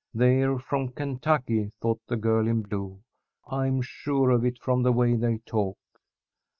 "They're from Kentucky," thought the girl in blue. "I'm sure of it from the way they talk."